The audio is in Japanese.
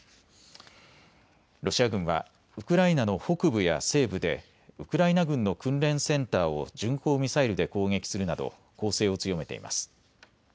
ロシア軍はウクライナの北部や西部でウクライナ軍の訓練センターを巡航ミサイルで攻撃するなど攻勢を強めています。